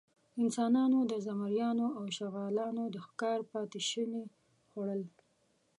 انسانانو د زمریانو او شغالانو د ښکار پاتېشوني خوړل.